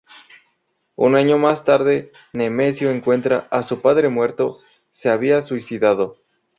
Un Año más tarde Nemesio encuentra a su padre muerto, se había suicidado.